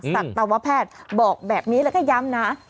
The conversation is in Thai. สัตวแพทย์บอกแบบนี้แล้วก็ย้ำนะ